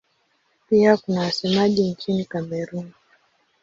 Pia kuna wasemaji nchini Kamerun.